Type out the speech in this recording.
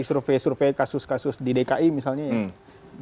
survei survei kasus kasus di dki misalnya ya